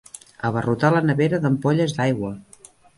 Abarrotar la nevera d'ampolles d'aigua.